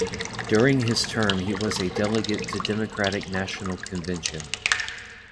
During his term he was a delegate to Democratic National Convention.